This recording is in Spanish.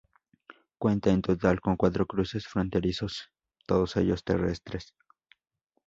Cuenta en total con cuatro cruces fronterizos, todos ellos terrestres.